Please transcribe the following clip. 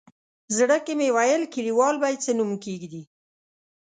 زړه کې مې ویل کلیوال به یې څه نوم کېږدي.